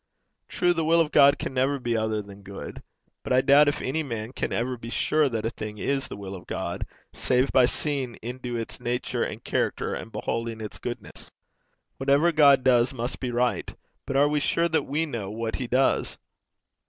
True, the will of God can never be other than good; but I doubt if any man can ever be sure that a thing is the will of God, save by seeing into its nature and character, and beholding its goodness. Whatever God does must be right, but are we sure that we know what he does?